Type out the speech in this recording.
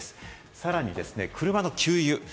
さらに車の給油。